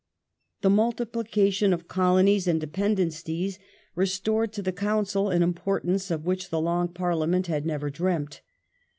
The multiplication of Colonies and Dependencies restored to the Council an importance of which the Long Parliament had never dreamt.